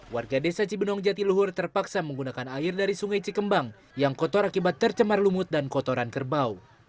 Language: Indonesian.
warga desa cibenong jatiluhur terpaksa menggunakan air dari sungai cikembang yang kotor akibat tercemar lumut dan kotoran kerbau